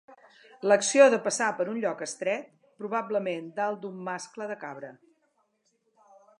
L'acció de passar per un lloc estret, probablement dalt d'un mascle de cabra.